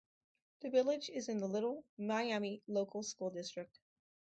The village is in the Little Miami Local School District.